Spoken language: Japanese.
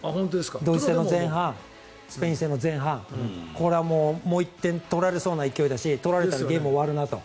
ドイツ戦の前半スペイン戦の前半これはもう１点取られそうな勢いだし取られたらゲーム終わるなと。